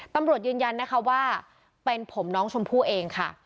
ตำรวจยืนยันนะคะว่าเป็นผมน้องชมพู่เองค่ะ